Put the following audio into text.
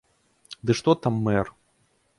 Ды што там мэр!